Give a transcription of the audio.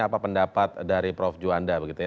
apa pendapat dari prof juanda begitu ya